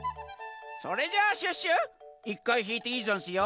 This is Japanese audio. それじゃあシュッシュ１かいひいていいざんすよ。